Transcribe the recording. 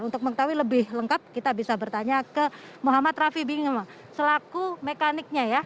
untuk mengetahui lebih lengkap kita bisa bertanya ke muhammad rafi binge selaku mekaniknya ya